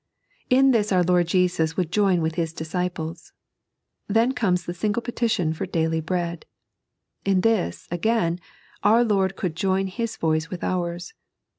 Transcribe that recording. In this our Lord Jesus could join with His disciples. Then comes the single petition for daily bread. In this, again, our Lord could join His voice with ours.